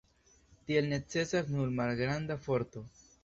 Tiel necesas nur malgranda forto.